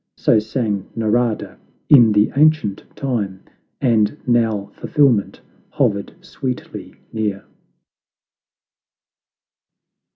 So sang Narada in the ancient time, And now fulfilment hovered sweetly near.